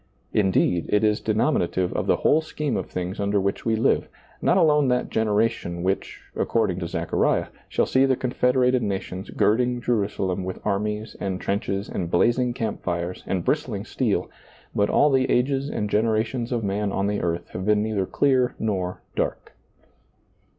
Indeed, it is denominative of the whole scheme of things under which we live, not alone that generation which, according to Zechariah, shall see the confederated nations gird ling Jerusalem with armies and trenches and blazing camp fires and bristling steel, but all the ages and generations of man on the earth have been neither clear nor dark.